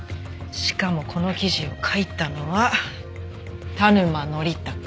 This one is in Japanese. しかもこの記事を書いたのは田沼典孝。